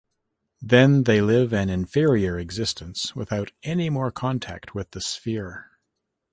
Then they live an inferior existence without any more contact with the sphere.